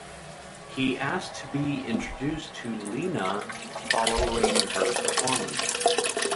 He asked to be introduced to Lena following her performance.